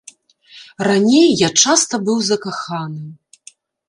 Раней я часта быў закаханы.